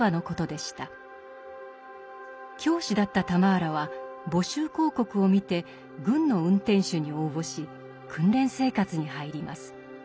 教師だったタマーラは募集広告を見て軍の運転手に応募し訓練生活に入ります。